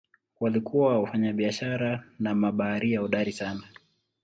Walikuwa wafanyabiashara na mabaharia hodari sana.